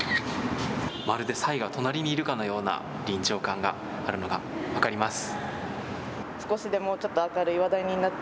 まるでサイが隣にいるかのような臨場感があるのが分かります。